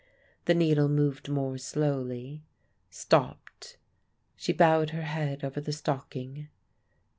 The needle moved more slowly stopped she bowed her head over the stocking.